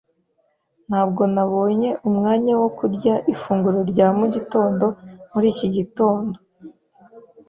Ntabwo nabonye umwanya wo kurya ifunguro rya mugitondo muri iki gitondo.